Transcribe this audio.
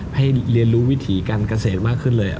ให้เรียนรู้วิถีการเกษตรมากขึ้นเลย